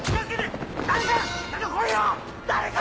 誰か！